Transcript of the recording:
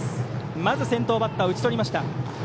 まず先頭バッターを打ち取りました。